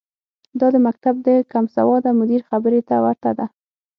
دا د مکتب د کمسواده مدیر خبرې ته ورته ده.